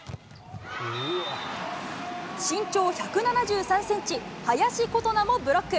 身長１７３センチ、林琴奈もブロック。